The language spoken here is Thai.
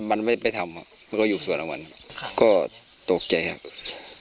มันไม่ทำเพราะอยู่ส่วนของมันก็ตกใจครับ